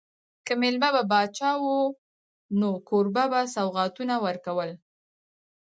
که مېلمه به پاچا و نو کوربه به سوغاتونه ورکول.